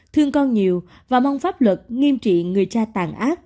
thương con nhiều và mong pháp luật nghiêm trị người cha tàn ác